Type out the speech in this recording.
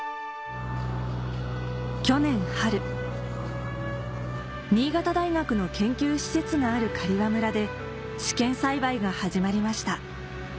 去年春新潟大学の研究施設がある刈羽村で試験栽培が始まりました